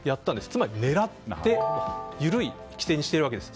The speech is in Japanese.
つまり狙って緩い規制にしているわけです。